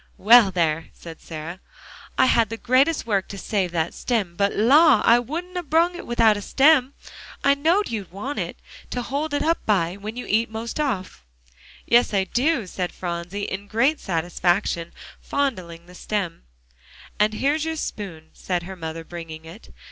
"Well, there," said Sarah, "I had the greatest work to save that stem. But, la! I wouldn't 'a' brung one without a stem. I know'd you'd want it to hold it up by, when you'd eat the most off." "Yes, I do," said Phronsie, in great satisfaction fondling the stem. "And here's your spoon," said her mother, bringing it.